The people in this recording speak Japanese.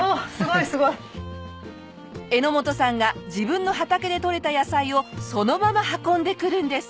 榎本さんが自分の畑でとれた野菜をそのまま運んでくるんです。